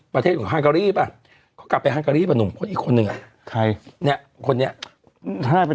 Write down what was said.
ประเทศห้างเกาหลีปะเขากลับไปห้างเกาหลีปะหนุ่มเพราะอีกคนนึงใครเนี่ยคนนี้